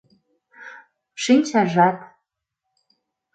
«Шинчажат...».